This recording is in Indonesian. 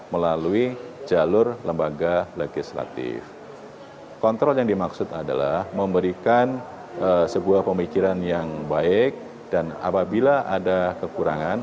melalui jalur lembaga legislatif kontrol yang dimaksud adalah memberikan sebuah pemikiran yang baik dan apabila ada kekurangan